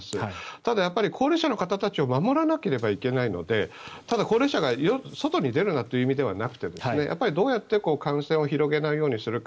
ただ、高齢者の方たちを守らなければいけないのでただ、高齢者が外に出るなという意味ではなくてどうやって感染を広げないようにするか。